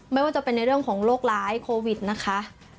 ไม่ว่าจะเป็นในเรื่องของโรคร้ายโควิดนะคะ